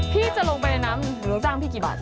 พี่จะลงไปในน้ำหรือลูกจ้างพี่กี่บาท